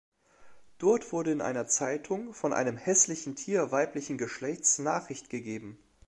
Dort wurde in einer Zeitung von einem "hässlichen Tier weiblichen Geschlechts" Nachricht gegeben.